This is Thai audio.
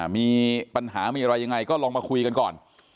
มีปัญหามีอะไรยังไงก็ลองมาคุยกันก่อน